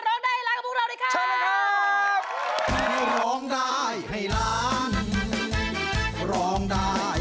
ร้องได้ให้ล้านกับพวกเราด้วยค่ะ